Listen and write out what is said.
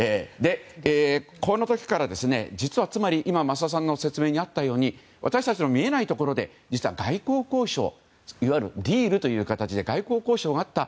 この時から実はつまり今増田さんの説明にあったように私たちの見えないところで実は、外交交渉いわゆるディールという形で外交交渉があった。